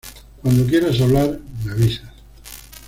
Cuando quieras hablar, me avisas.